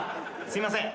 すいません。